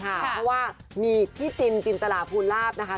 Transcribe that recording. เพราะว่ามีพี่จินจินตราภูลาภนะคะ